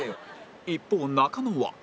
一方中野は